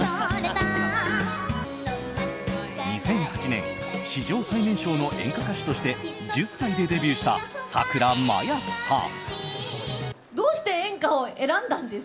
２００８年史上最年少の演歌歌手として１０歳でデビューしたさくらまやさん。